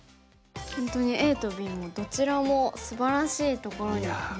本当にＡとＢもどちらもすばらしいところに見えますね。